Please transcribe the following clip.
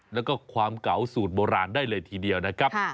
แล้วก็ความเก๋าสูตรโบราณได้เลยทีเดียวนะครับ